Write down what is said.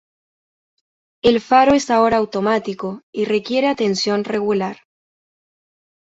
El faro es ahora automático, y requiere atención regular.